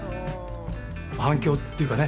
反響っていうかね